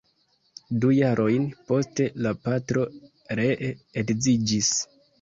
Du jarojn poste la patro ree edziĝis.